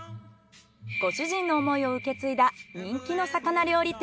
ご主人の想いを受け継いだ人気の魚料理店。